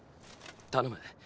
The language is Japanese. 頼む。